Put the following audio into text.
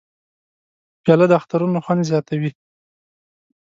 پیاله د اخترونو خوند زیاتوي.